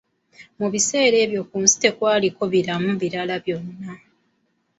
Ebiseera ebyo ku nsi tekwaliko biramu birala byonna